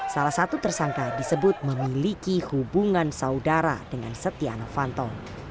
salah satu tersangka disebut memiliki hubungan saudara dengan setia novanto